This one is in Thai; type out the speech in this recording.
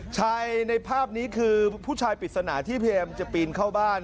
ในภาพนี้คือผู้ชายปริศนาที่พยายามจะปีนเข้าบ้าน